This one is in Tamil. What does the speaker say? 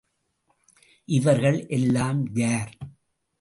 இவர்கள் எல்லாம் யார்?